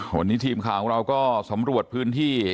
วันนี้ทีมข่าวของเราก็สำรวจพื้นที่